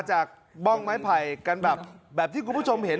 จากบ้องไม้ไผ่กันแบบที่คุณผู้ชมเห็น